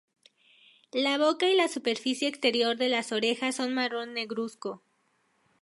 La boca y la superficie exterior de las orejas son marrón negruzco.